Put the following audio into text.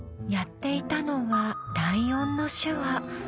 やっていたのはライオンの手話。